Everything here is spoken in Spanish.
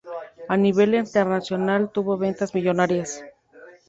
A nivel internacional tuvo ventas millonarias.